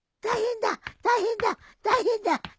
大変だ大変だ大変だ。